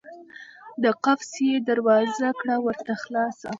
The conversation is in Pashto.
د قفس یې دروازه کړه ورته خلاصه